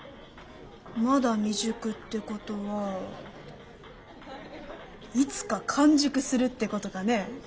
まだ未熟ってことはいつか完熟するってことかね。